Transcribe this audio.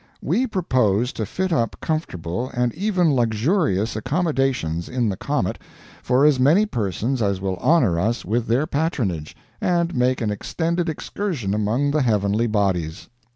We propose to fit up comfortable, and even luxurious, accommodations in the comet for as many persons as will honor us with their patronage, and make an extended excursion among the heavenly bodies.